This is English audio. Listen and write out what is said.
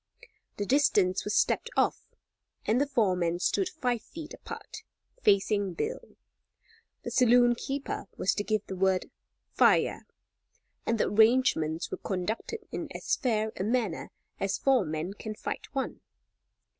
The distance was stepped off, and the four men stood five feet apart, facing Bill. The saloon keeper was to give the word "fire," and the arrangements were conducted in as fair a manner as four men can fight one.